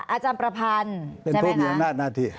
อาจารย์ประพันธ์เป็นผู้มีอำนาจหน้าที่